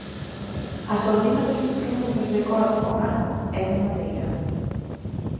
A sordina dos instrumentos de corda con arco é de madeira.